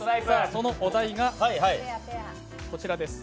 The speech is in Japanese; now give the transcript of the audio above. そのお題がこちらです。